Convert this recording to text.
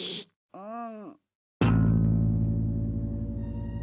うん。